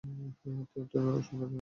তুমি অনেক সুন্দর আজ্ঞলি।